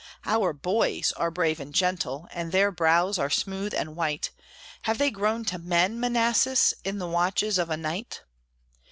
Our boys are brave and gentle, And their brows are smooth and white; Have they grown to men, Manassas, In the watches of a night?